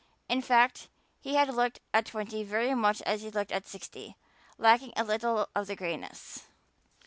In fact, he had looked at twenty very much as he looked at sixty, lacking a little of the grayness.